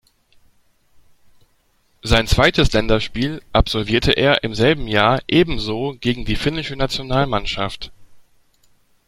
Sein zweites Länderspiel absolvierte er im selben Jahr ebenso gegen die finnische Nationalmannschaft.